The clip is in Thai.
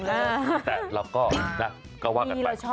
แต่เราก็ว่ากันไป